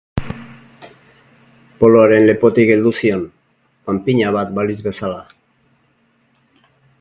Poloaren lepotik heldu zion, panpina bat balitz bezala.